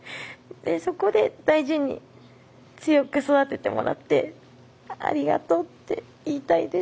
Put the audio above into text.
そこで大事に強く育ててもらってありがとうっていいたいです。